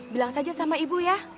bilang saja sama ibu ya